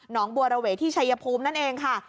งบัวระเวที่ชัยภูมินั่นเองค่ะ